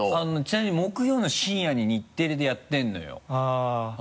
ちなみに木曜の深夜に日テレでやってるのよ。